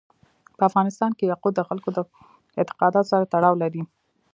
په افغانستان کې یاقوت د خلکو د اعتقاداتو سره تړاو لري.